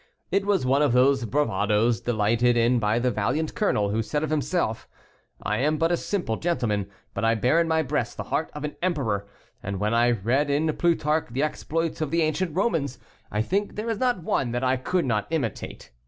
It was one of those bravadoes delighted in by the valiant colonel, who said of himself, "I am but a simple gentleman, but I bear in my breast the heart of an emperor; and when I read in Plutarch the exploits of the ancient Romans, I think there is not one that I could not imitate."